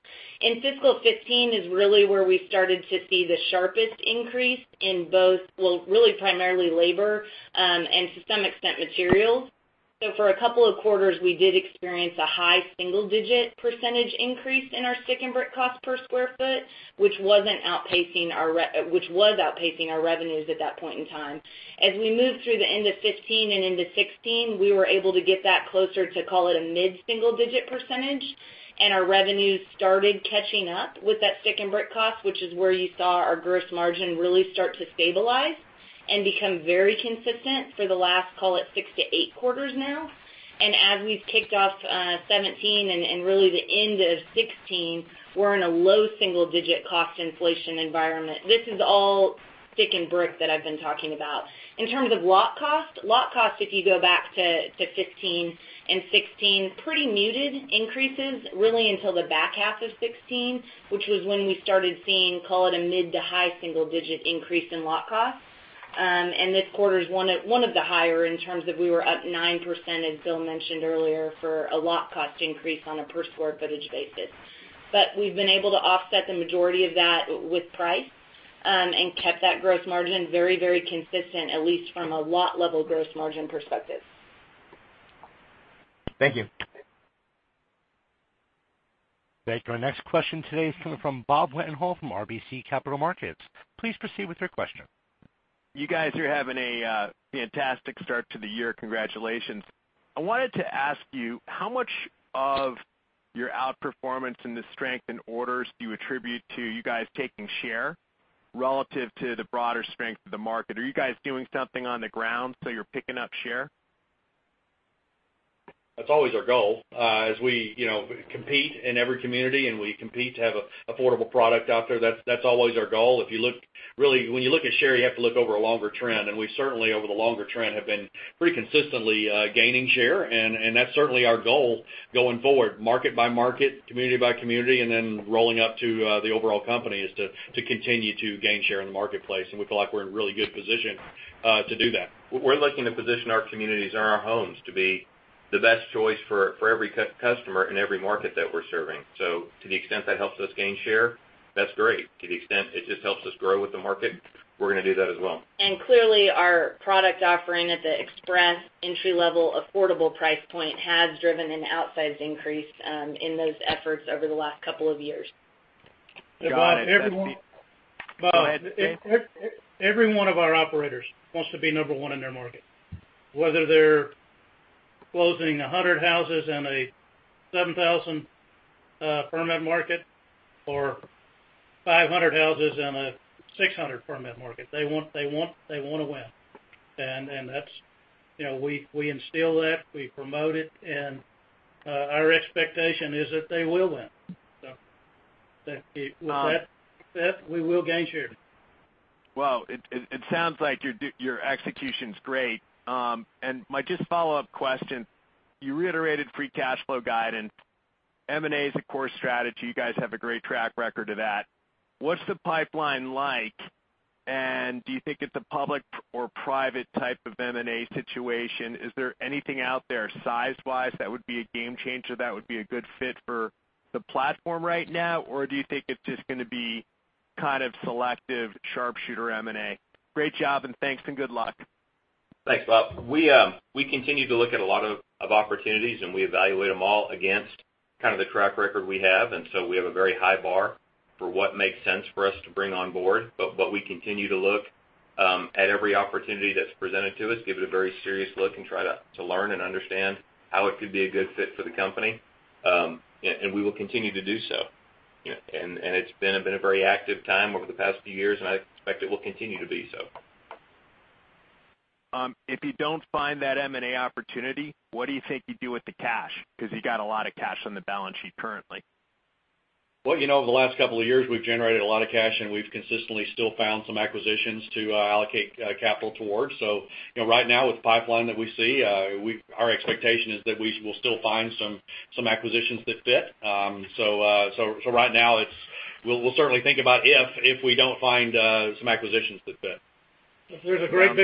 [SPEAKER 2] In fiscal 2015 is really where we started to see the sharpest increase in both, well, really primarily labor, and to some extent, materials. For a couple of quarters, we did experience a high single-digit % increase in our stick and brick cost per square foot, which was outpacing our revenues at that point in time. As we moved through the end of 2015 and into 2016, we were able to get that closer to, call it, a mid-single digit %, our revenues started catching up with that stick and brick cost, which is where you saw our gross margin really start to stabilize and become very consistent for the last, call it, six to eight quarters now. As we've kicked off 2017 and really the end of 2016, we're in a low single-digit cost inflation environment. This is all stick and brick that I've been talking about. In terms of lot cost, if you go back to 2015 and 2016, pretty muted increases, really until the back half of 2016, which was when we started seeing, call it, a mid to high single-digit increase in lot cost. This quarter is one of the higher in terms of we were up 9%, as Bill mentioned earlier, for a lot cost increase on a per square footage basis. We've been able to offset the majority of that with price, and kept that gross margin very consistent, at least from a lot level gross margin perspective.
[SPEAKER 12] Thank you.
[SPEAKER 1] Great. Our next question today is coming from Bob Wetenhall from RBC Capital Markets. Please proceed with your question.
[SPEAKER 13] You guys are having a fantastic start to the year. Congratulations. I wanted to ask you, how much of your outperformance and the strength in orders do you attribute to you guys taking share relative to the broader strength of the market? Are you guys doing something on the ground so you're picking up share?
[SPEAKER 3] That's always our goal. As we compete in every community, and we compete to have an affordable product out there, that's always our goal. When you look at share, you have to look over a longer trend, and we certainly, over the longer trend, have been pretty consistently gaining share, and that's certainly our goal going forward, market by market, community by community, and then rolling up to the overall company, is to continue to gain share in the marketplace, and we feel like we're in a really good position to do that.
[SPEAKER 4] We're looking to position our communities and our homes to be the best choice for every customer in every market that we're serving. To the extent that helps us gain share, that's great. To the extent it just helps us grow with the market, we're going to do that as well.
[SPEAKER 2] Clearly, our product offering at the Express, entry-level, affordable price point has driven an outsized increase in those efforts over the last couple of years.
[SPEAKER 13] Got it.
[SPEAKER 3] Bob.
[SPEAKER 1] Go ahead, Dave.
[SPEAKER 3] Every one of our operators wants to be number one in their market. Whether they're closing 100 houses in a 7,000 permit market or 500 houses in a 600 permit market, they want to win. We instill that, we promote it, and our expectation is that they will win. With that, we will gain share.
[SPEAKER 13] Well, it sounds like your execution's great. My just follow-up question, you reiterated free cash flow guidance. M&A is a core strategy. You guys have a great track record of that. What's the pipeline like, and do you think it's a public or private type of M&A situation? Is there anything out there size-wise that would be a game changer, that would be a good fit for the platform right now, or do you think it's just going to be kind of selective sharpshooter M&A? Great job, and thanks, and good luck.
[SPEAKER 4] Thanks, Bob. We continue to look at a lot of opportunities, and we evaluate them all against kind of the track record we have, and so we have a very high bar for what makes sense for us to bring on board. We continue to look at every opportunity that's presented to us, give it a very serious look, and try to learn and understand how it could be a good fit for the company. We will continue to do so. It's been a very active time over the past few years, and I expect it will continue to be so.
[SPEAKER 13] If you don't find that M&A opportunity, what do you think you do with the cash? You got a lot of cash on the balance sheet currently.
[SPEAKER 4] Over the last couple of years, we've generated a lot of cash, and we've consistently still found some acquisitions to allocate capital towards. Right now, with the pipeline that we see, our expectation is that we will still find some acquisitions that fit. Right now, we'll certainly think about if we don't find some acquisitions that fit.
[SPEAKER 3] There's a great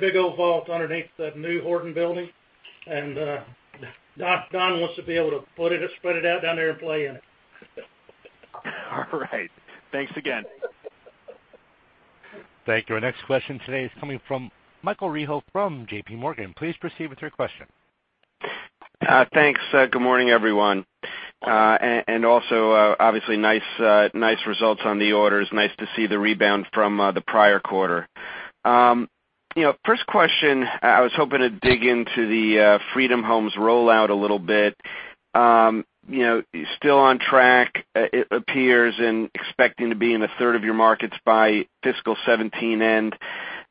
[SPEAKER 3] big old vault underneath the new Horton building, and Don wants to be able to spread it out down there and play in it. All right. Thanks again.
[SPEAKER 1] Thank you. Our next question today is coming from Michael Rehaut from JPMorgan. Please proceed with your question.
[SPEAKER 14] Thanks. Good morning, everyone. Also, obviously, nice results on the orders. Nice to see the rebound from the prior quarter. First question, I was hoping to dig into the Freedom Homes rollout a little bit. Still on track, it appears, and expecting to be in a third of your markets by fiscal 2017 end.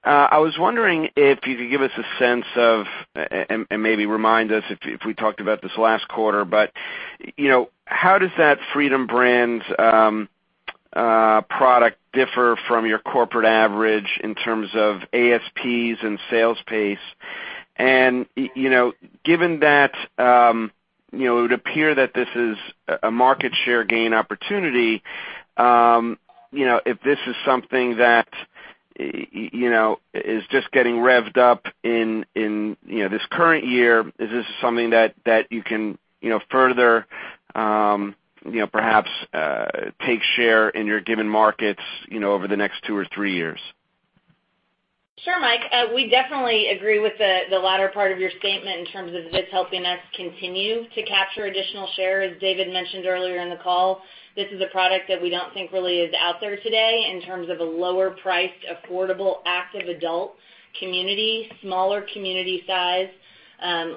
[SPEAKER 14] I was wondering if you could give us a sense of, and maybe remind us if we talked about this last quarter, but how does that Freedom brand product differ from your corporate average in terms of ASPs and sales pace? Given that it would appear that this is a market share gain opportunity, if this is something that is just getting revved up in this current year, is this something that you can further perhaps take share in your given markets over the next two or three years?
[SPEAKER 2] Sure, Mike. We definitely agree with the latter part of your statement in terms of this helping us continue to capture additional share. As David mentioned earlier in the call, this is a product that we don't think really is out there today in terms of a lower-priced, affordable active-adult community, smaller community size,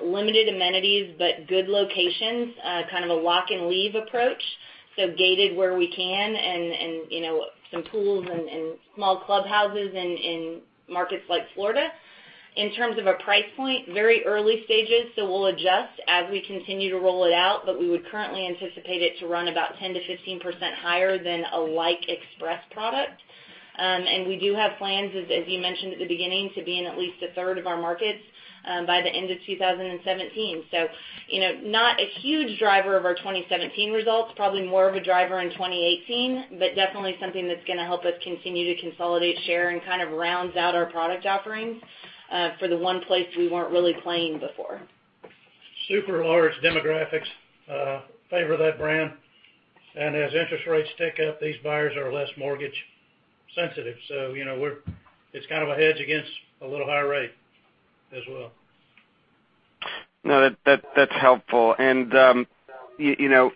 [SPEAKER 2] limited amenities, but good locations, kind of a lock and leave approach. Gated where we can and some pools and small clubhouses in markets like Florida. In terms of a price point, very early stages, so we'll adjust as we continue to roll it out, but we would currently anticipate it to run about 10%-15% higher than a like Express product. We do have plans, as you mentioned at the beginning, to be in at least a third of our markets by the end of 2017. Not a huge driver of our 2017 results, probably more of a driver in 2018, but definitely something that's going to help us continue to consolidate share and kind of rounds out our product offerings for the one place we weren't really playing before.
[SPEAKER 3] Super large demographics favor that brand. As interest rates tick up, these buyers are less mortgage-sensitive. It's kind of a hedge against a little higher rate as well.
[SPEAKER 14] No, that's helpful. Let me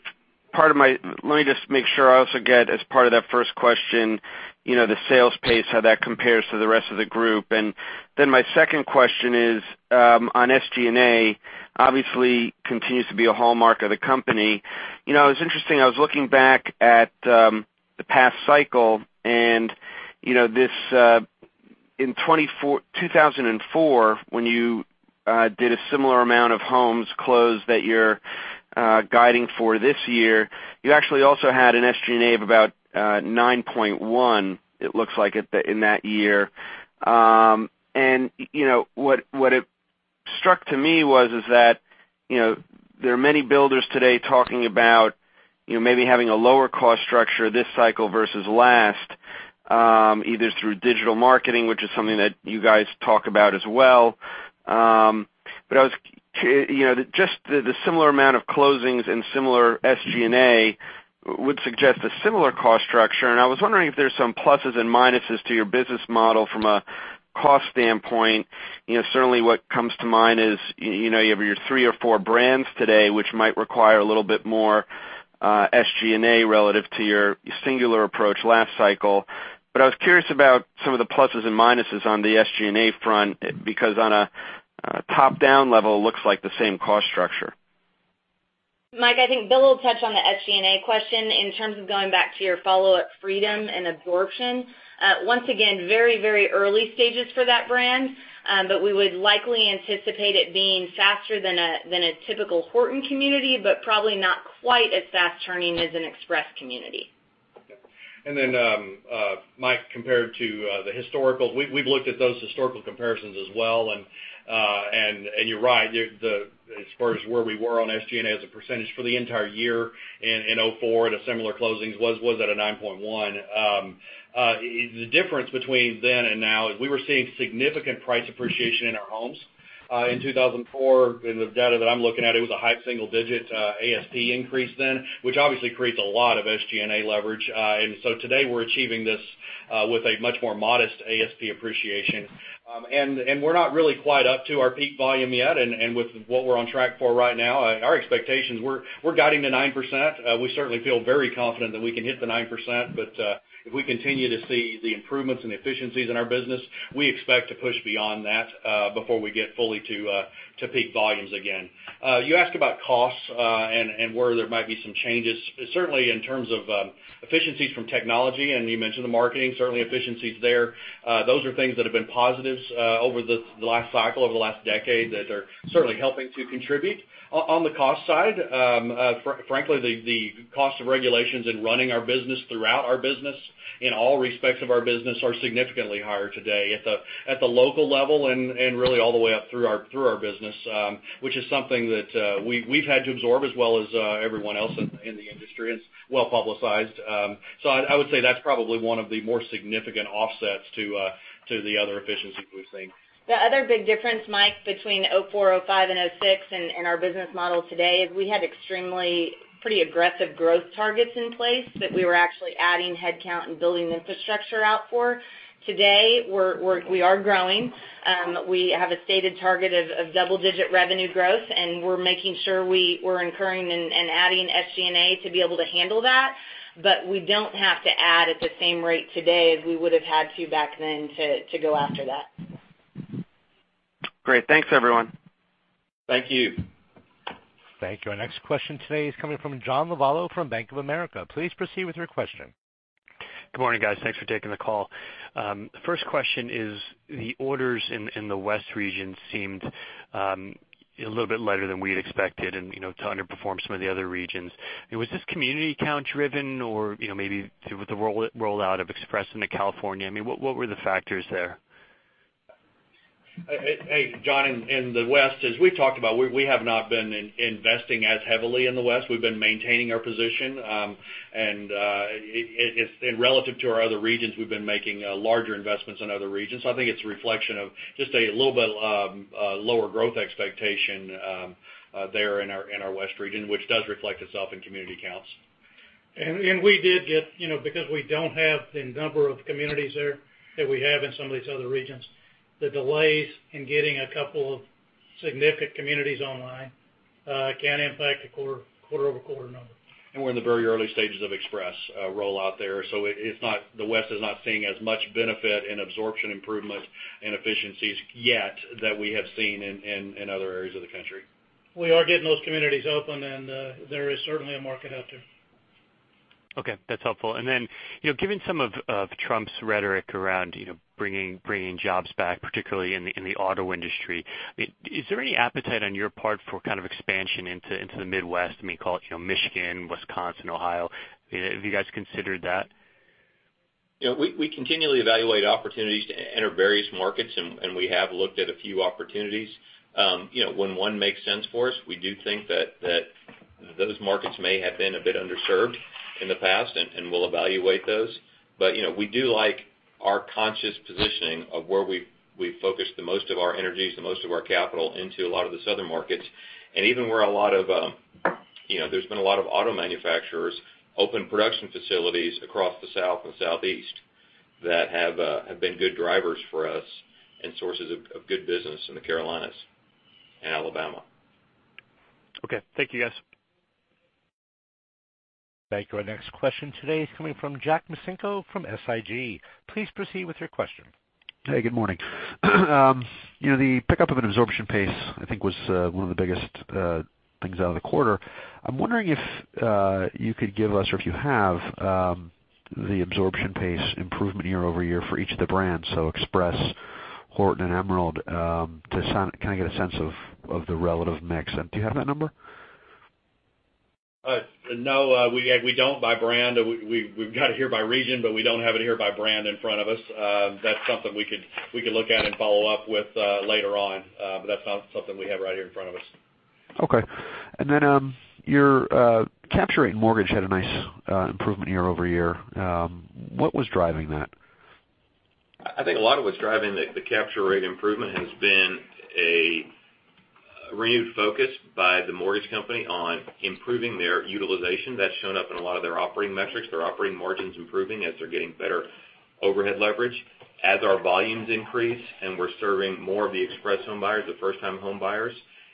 [SPEAKER 14] just make sure I also get, as part of that first question, the sales pace, how that compares to the rest of the group. My second question is on SG&A, obviously continues to be a hallmark of the company. It was interesting, I was looking back at the past cycle, and in 2004, when you did a similar amount of homes closed that you're guiding for this year, you actually also had an SG&A of about 9.1, it looks like in that year. What struck to me was that there are many builders today talking about maybe having a lower cost structure this cycle versus last, either through digital marketing, which is something that you guys talk about as well, but just the similar amount of closings and similar SG&A would suggest a similar cost structure. I was wondering if there's some pluses and minuses to your business model from a cost standpoint. Certainly what comes to mind is you have your three or four brands today, which might require a little bit more SG&A relative to your singular approach last cycle. I was curious about some of the pluses and minuses on the SG&A front, because on a top-down level, looks like the same cost structure.
[SPEAKER 2] Mike, I think Bill will touch on the SG&A question. In terms of going back to your follow-up, Freedom and absorption, once again, very early stages for that brand, but we would likely anticipate it being faster than a typical Horton community, but probably not quite as fast-turning as an Express community.
[SPEAKER 5] Mike, compared to the historical, we've looked at those historical comparisons as well, and you're right. As far as where we were on SG&A as a percentage for the entire year in 2004 at a similar closings was at a 9.1%. The difference between then and now is we were seeing significant price appreciation in our homes. In 2004, in the data that I'm looking at, it was a high single-digit ASP increase then, which obviously creates a lot of SG&A leverage. Today, we're achieving this with a much more modest ASP appreciation. We're not really quite up to our peak volume yet, and with what we're on track for right now, our expectations, we're guiding to 9%. We certainly feel very confident that we can hit the 9%. If we continue to see the improvements and efficiencies in our business, we expect to push beyond that before we get fully to peak volumes again. You asked about costs and where there might be some changes. Certainly, in terms of efficiencies from technology, and you mentioned the marketing. Certainly, efficiencies there. Those are things that have been positives over the last cycle, over the last decade, that are certainly helping to contribute. On the cost side, frankly, the cost of regulations and running our business throughout our business, in all respects of our business, are significantly higher today at the local level and really all the way up through our business, which is something that we've had to absorb as well as everyone else in the industry, and it's well-publicized. I would say that's probably one of the more significant offsets to the other efficiencies we've seen.
[SPEAKER 2] The other big difference, Mike, between 2004, 2005, and 2006 and our business model today is we had extremely pretty aggressive growth targets in place that we were actually adding headcount and building infrastructure out for. Today, we have a stated target of double-digit revenue growth, and we're making sure we're incurring and adding SG&A to be able to handle that. We don't have to add at the same rate today as we would have had to back then to go after that.
[SPEAKER 14] Great. Thanks, everyone.
[SPEAKER 4] Thank you.
[SPEAKER 1] Thank you. Our next question today is coming from John Lovallo from Bank of America. Please proceed with your question.
[SPEAKER 15] Good morning, guys. Thanks for taking the call. First question is, the orders in the West region seemed a little bit lighter than we had expected and to underperform some of the other regions. Was this community count-driven or maybe with the rollout of Express into California? What were the factors there?
[SPEAKER 4] Hey, John. In the West, as we talked about, we have not been investing as heavily in the West. We've been maintaining our position. Relative to our other regions, we've been making larger investments in other regions. I think it's a reflection of just a little bit of a lower growth expectation there in our West region, which does reflect itself in community counts.
[SPEAKER 3] Because we don't have the number of communities there that we have in some of these other regions, the delays in getting a couple of significant communities online can impact the quarter-over-quarter numbers.
[SPEAKER 4] We're in the very early stages of Express rollout there. The West is not seeing as much benefit in absorption improvements and efficiencies yet that we have seen in other areas of the country.
[SPEAKER 3] We are getting those communities open, and there is certainly a market out there.
[SPEAKER 15] Okay, that's helpful. Given some of Trump's rhetoric around bringing jobs back, particularly in the auto industry, is there any appetite on your part for kind of expansion into the Midwest? Call it Michigan, Wisconsin, Ohio. Have you guys considered that?
[SPEAKER 4] We continually evaluate opportunities to enter various markets, and we have looked at a few opportunities. When one makes sense for us, we do think that those markets may have been a bit underserved in the past, and we'll evaluate those. We do like our conscious positioning of where we focus the most of our energies, the most of our capital into a lot of the Southern markets. Even where there's been a lot of auto manufacturers, open production facilities across the South and Southeast that have been good drivers for us and sources of good business in the Carolinas and Alabama.
[SPEAKER 15] Okay. Thank you, guys.
[SPEAKER 1] Thank you. Our next question today is coming from Jack Micenko from SIG. Please proceed with your question.
[SPEAKER 16] Hey, good morning. The pickup of an absorption pace, I think, was one of the biggest things out of the quarter. I'm wondering if you could give us, or if you have, the absorption pace improvement year-over-year for each of the brands, so Express, Horton, and Emerald, to kind of get a sense of the relative mix. Do you have that number?
[SPEAKER 4] No, we don't by brand. We've got it here by region, we don't have it here by brand in front of us. That's something we could look at and follow up with later on. That's not something we have right here in front of us.
[SPEAKER 16] Okay. Your capture rate in mortgage had a nice improvement year-over-year. What was driving that?
[SPEAKER 4] I think a lot of what's driving the capture rate improvement has been a renewed focus by the mortgage company on improving their utilization. That's shown up in a lot of their operating metrics. Their operating margin's improving as they're getting better overhead leverage. As our volumes increase and we're serving more of the Express Homes buyers, the first-time home buyers,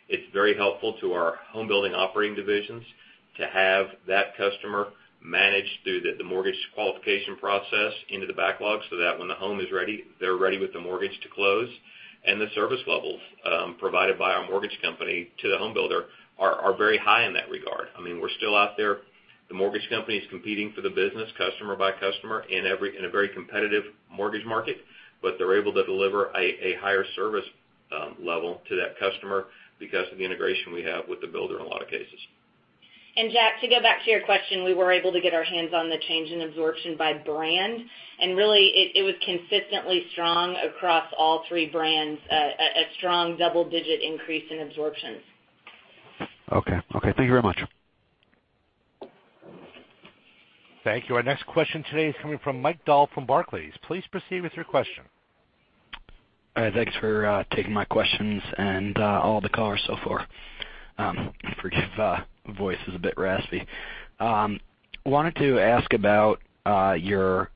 [SPEAKER 4] it's very helpful to our home building operating divisions to have that customer managed through the mortgage qualification process into the backlog so that when the home is ready, they're ready with the mortgage to close. The service levels provided by our mortgage company to the home builder are very high in that regard. We're still out there. The mortgage company is competing for the business customer by customer in a very competitive mortgage market, they're able to deliver a higher service level to that customer because of the integration we have with the builder in a lot of cases.
[SPEAKER 2] Jack, to go back to your question, we were able to get our hands on the change in absorption by brand, really, it was consistently strong across all three brands, a strong double-digit increase in absorption.
[SPEAKER 16] Okay. Thank you very much.
[SPEAKER 1] Thank you. Our next question today is coming from Mike from Barclays. Please proceed with your question.
[SPEAKER 17] All right. Thanks for taking my questions and all the callers so far. Forgive, voice is a bit raspy. Wanted to ask about your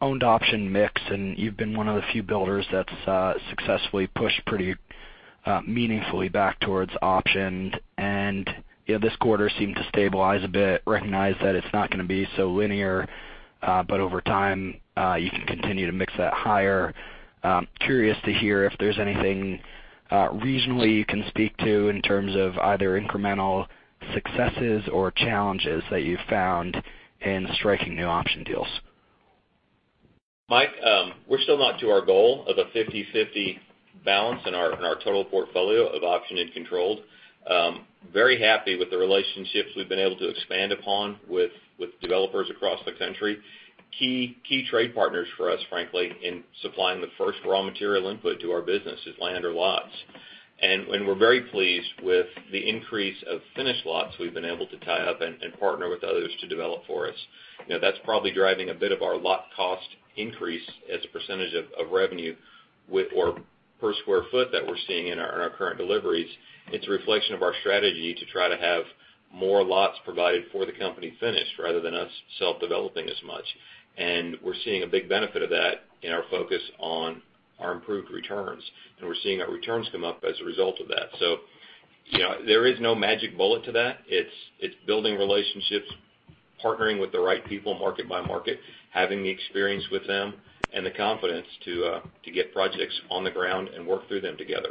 [SPEAKER 17] owned option mix. You've been one of the few builders that's successfully pushed pretty meaningfully back towards optioned. This quarter seemed to stabilize a bit. Recognize that it's not going to be so linear, but over time, you can continue to mix that higher. Curious to hear if there's anything regionally you can speak to in terms of either incremental successes or challenges that you've found in striking new option deals.
[SPEAKER 4] Mike, we're still not to our goal of a 50-50 balance in our total portfolio of option and controlled. Very happy with the relationships we've been able to expand upon with developers across the country. Key trade partners for us, frankly, in supplying the first raw material input to our business is land or lots. We're very pleased with the increase of finished lots we've been able to tie up and partner with others to develop for us. That's probably driving a bit of our lot cost increase as a percentage of revenue with or per square foot that we're seeing in our current deliveries. It's a reflection of our strategy to try to have more lots provided for the company finished rather than us self-developing as much. We're seeing a big benefit of that in our focus on our improved returns, and we're seeing our returns come up as a result of that. There is no magic bullet to that. It's building relationships, partnering with the right people market by market, having the experience with them, and the confidence to get projects on the ground and work through them together.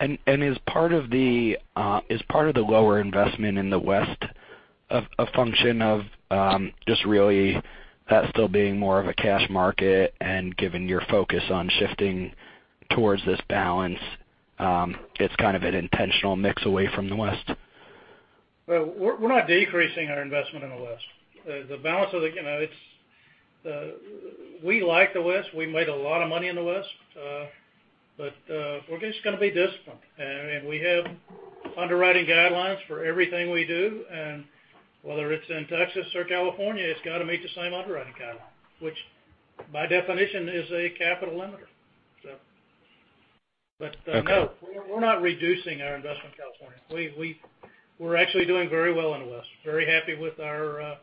[SPEAKER 17] Is part of the lower investment in the West a function of just really that still being more of a cash market and given your focus on shifting towards this balance, it's kind of an intentional mix away from the West?
[SPEAKER 3] Well, we're not decreasing our investment in the West. We like the West. We made a lot of money in the West. We're just going to be disciplined, and we have underwriting guidelines for everything we do, and whether it's in Texas or California, it's got to meet the same underwriting guidelines, which by definition is a capital limiter.
[SPEAKER 17] Okay.
[SPEAKER 3] No, we're not reducing our investment in California. We're actually doing very well in the West. Very happy with our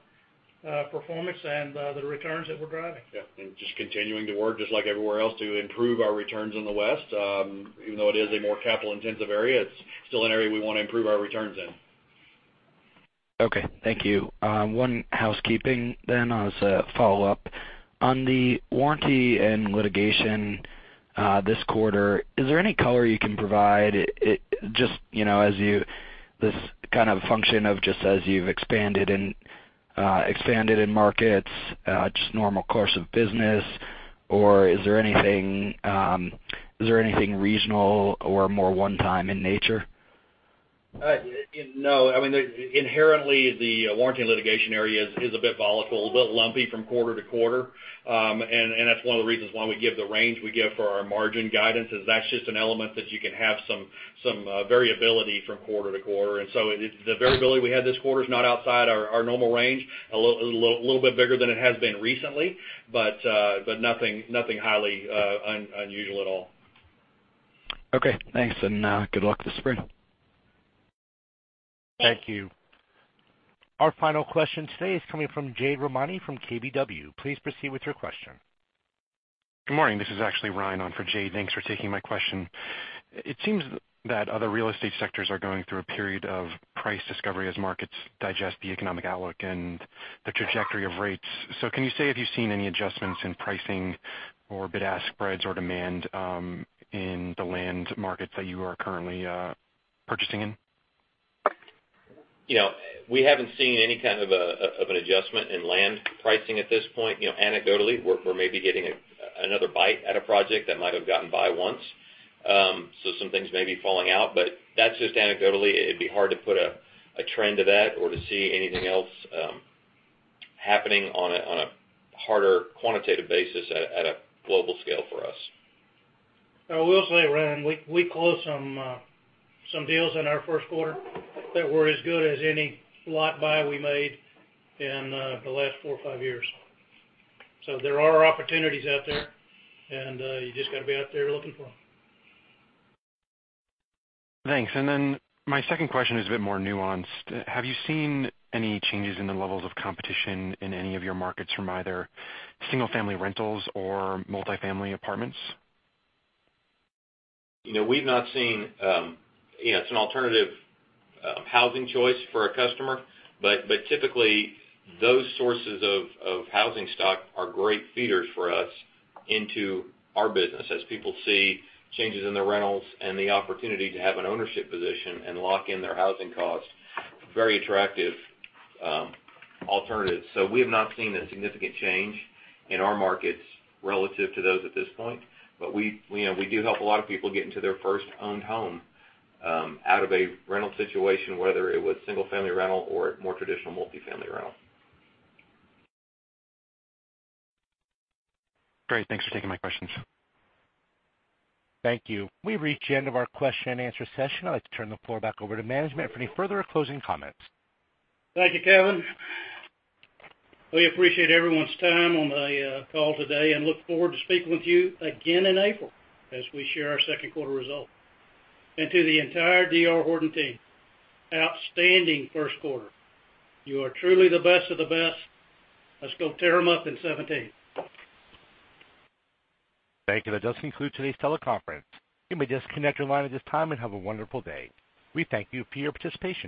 [SPEAKER 3] performance and the returns that we're driving.
[SPEAKER 4] Yeah. Just continuing to work just like everywhere else to improve our returns in the West. Even though it is a more capital-intensive area, it's still an area we want to improve our returns in.
[SPEAKER 17] Okay, thank you. One housekeeping as a follow-up. On the warranty and litigation, this quarter, is there any color you can provide? Is this function of just as you've expanded in markets, just normal course of business, or is there anything regional or more one-time in nature?
[SPEAKER 4] No. Inherently, the warranty and litigation area is a bit volatile, a bit lumpy from quarter to quarter. That's one of the reasons why we give the range we give for our margin guidance, is that's just an element that you can have some variability from quarter to quarter. The variability we had this quarter is not outside our normal range. A little bit bigger than it has been recently, but nothing highly unusual at all.
[SPEAKER 17] Okay, thanks, and good luck this spring.
[SPEAKER 3] Thanks.
[SPEAKER 1] Thank you. Our final question today is coming from Jade Rahmani from KBW. Please proceed with your question.
[SPEAKER 18] Good morning. This is actually Ryan on for Jade. Thanks for taking my question. It seems that other real estate sectors are going through a period of price discovery as markets digest the economic outlook and the trajectory of rates. Can you say if you've seen any adjustments in pricing or bid-ask spreads or demand in the land markets that you are currently purchasing in?
[SPEAKER 4] We haven't seen any kind of an adjustment in land pricing at this point. Anecdotally, we're maybe getting another bite at a project that might have gotten by once. Some things may be falling out, but that's just anecdotally. It'd be hard to put a trend to that or to see anything else happening on a harder quantitative basis at a global scale for us.
[SPEAKER 3] I will say, Ryan, I closed some deals in our first quarter that were as good as any lot buy we made in the last four or five years. There are opportunities out there, and you just got to be out there looking for them.
[SPEAKER 18] Thanks. My second question is a bit more nuanced. Have you seen any changes in the levels of competition in any of your markets from either single-family rentals or multi-family apartments?
[SPEAKER 4] We've not seen. It's an alternative housing choice for a customer. Typically, those sources of housing stock are great feeders for us into our business as people see changes in the rentals and the opportunity to have an ownership position and lock in their housing costs, very attractive alternatives. We have not seen a significant change in our markets relative to those at this point. We do help a lot of people get into their first owned home, out of a rental situation, whether it was single-family rental or more traditional multi-family rental.
[SPEAKER 18] Great. Thanks for taking my questions.
[SPEAKER 1] Thank you. We've reached the end of our question and answer session. I'd like to turn the floor back over to management for any further closing comments.
[SPEAKER 3] Thank you, Kevin. We appreciate everyone's time on the call today and look forward to speaking with you again in April as we share our second quarter results. To the entire D.R. Horton team, outstanding first quarter. You are truly the best of the best. Let's go tear them up in 2017.
[SPEAKER 1] Thank you. That does conclude today's teleconference. You may disconnect your line at this time and have a wonderful day. We thank you for your participation.